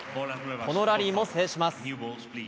このラリーも制します。